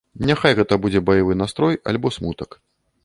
Няхай гэта будзе баявы настрой альбо смутак.